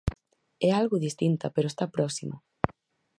"É algo distinta, pero está próxima".